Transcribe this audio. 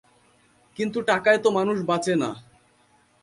কিন্তু টাকায় তো মানুষ বাঁচে না।